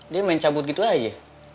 dia main cabut gitu aja